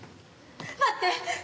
待って。